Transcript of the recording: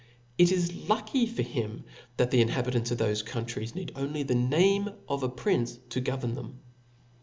It is lucky for him, that the inhabitants of thofe countries need only the nalme of ^prince to govern them.